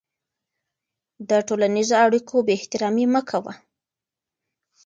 د ټولنیزو اړیکو بېاحترامي مه کوه.